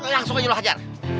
langsung aja lo hajar